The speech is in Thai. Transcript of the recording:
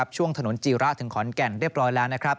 ช่วงถนนจีระถึงขอนแก่นเรียบร้อยแล้วนะครับ